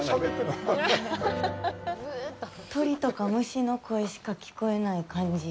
鳥とか虫の声しか聞こえない感じ。